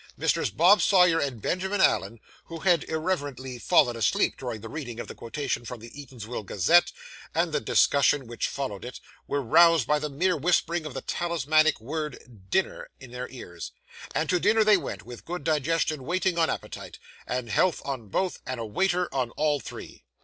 Messrs. Bob Sawyer and Benjamin Allen, who had irreverently fallen asleep during the reading of the quotation from the Eatanswill Gazette, and the discussion which followed it, were roused by the mere whispering of the talismanic word 'Dinner' in their ears; and to dinner they went with good digestion waiting on appetite, and health on both, and a waiter on all three.